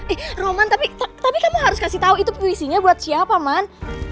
eh roman tapi kamu harus kasih tahu itu puisinya buat siapa man